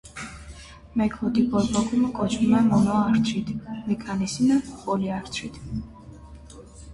Մեկ հոդի բորբոքումը կոչվում է մոնոարթրիտ, մի քանիսինը՝ պոլիարթրիտ։